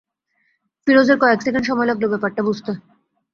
ফিরোজের কয়েক সেকেণ্ড সময় লাগল ব্যাপারটা বুঝতে।